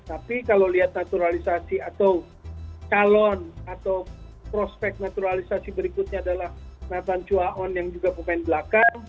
tapi kalau lihat naturalisasi atau calon atau prospek naturalisasi berikutnya adalah navhan chuaon yang juga pemain belakang